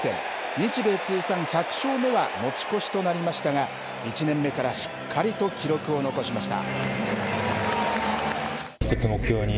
日米通算１００勝目は持ち越しとなりましたが１年目からしっかりと記録を残しました。